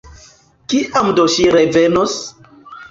Kiam do ŝi revenos?